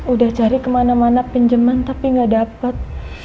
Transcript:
udah cari kemana mana pinjeman tapi gak dapat